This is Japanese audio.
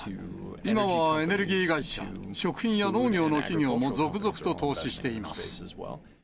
今はエネルギー会社、食品や農業の企業も続々と投資しています。